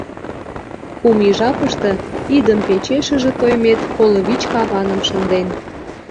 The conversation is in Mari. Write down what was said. Кум ий жапыште идым печешыже Тоймет коло вич каваным шынден.